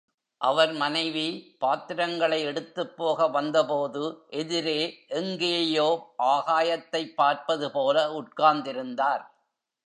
அவர் மனைவி, பாத்திரங்களை எடுத்துப்போக வந்தபோது எதிரே எங்கேயோ ஆகாயத்தைப் பார்ப்பது போல உட்காந்திருந்தார்.